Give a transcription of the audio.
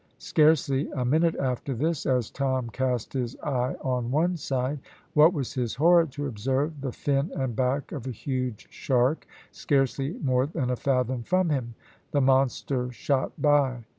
Scarcely a minute after this, as Tom cast his eye on one side, what was his horror to observe the fin and back of a huge shark, scarcely more than a fathom from him. The monster shot by.